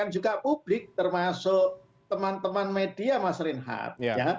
juga publik termasuk teman teman media mas reinhardt